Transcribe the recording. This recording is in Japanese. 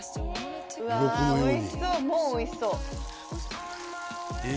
うわあおいしそうもうおいしそうええ？